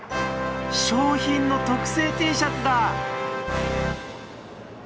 賞品の特製Ｔシャツだ！